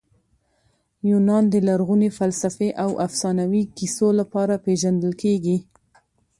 یونان د لرغوني فلسفې او افسانوي کیسو لپاره پېژندل کیږي.